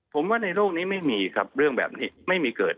ผมว่าในโลกนี้ไม่มีครับเรื่องแบบนี้ไม่มีเกิด